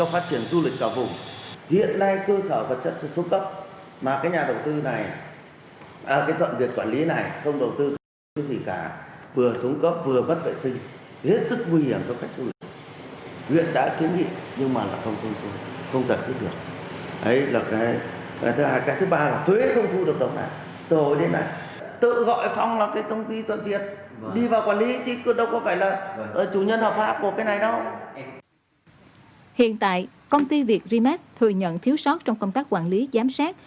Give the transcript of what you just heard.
hiện tại công ty việt remex thừa nhận thiếu sót trong công tác quản lý giám sát